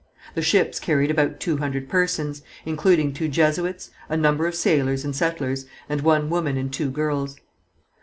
The ships carried about two hundred persons, including two Jesuits, a number of sailors and settlers, and one woman and two girls.